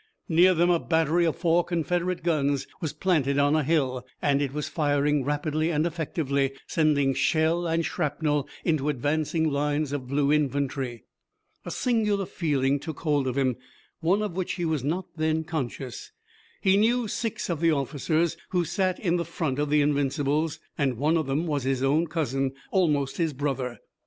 Near them a battery of four Confederate guns was planted on a hill, and it was firing rapidly and effectively, sending shell and shrapnel into advancing lines of blue infantry. A singular feeling took hold of him, one of which he was not then conscious. He knew six of the officers who sat in the front of the Invincibles, and one of them was his own cousin, almost his brother.